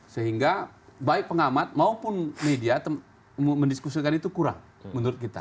sehingga baik pengamat maupun media mendiskusikan itu kurang menurut kita